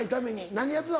何やってた？